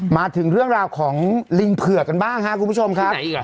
มาถึงเรื่องราวของลิงเผือกกันบ้างครับคุณผู้ชมครับ